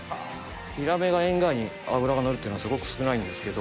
ヒラメがエンガワに脂がのるっていうのはすごく少ないんですけど。